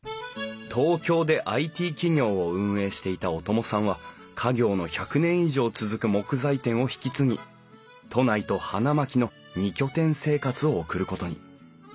東京でＩＴ企業を運営していた小友さんは家業の１００年以上続く木材店を引き継ぎ都内と花巻の２拠点生活を送ることに。